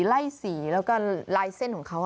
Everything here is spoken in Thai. และไล่เส้นของเขา